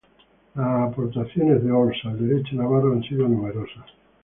Las aportaciones de d'Ors al derecho navarro han sido numerosas.